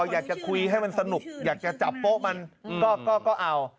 อยากจะคุยให้มันสนุกอยากจะจับโป๊ะมันก็เอา